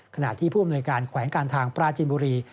ขณะที่ผู้อำนวยการแขวงการทางปราจินบุรี